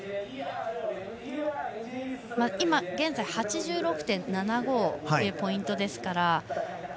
今現在、８６．７５というポイントですから。